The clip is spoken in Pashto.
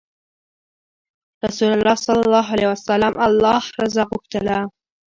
رسول الله ﷺ الله رضا غوښتله.